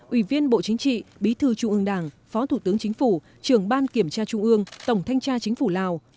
ủy viên bộ chính trị bí thư trung ương đảng phó thủ tướng chính phủ trưởng ban kiểm tra trung ương tổng thanh tra chính phủ lào